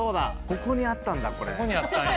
ここにあったんだこれ。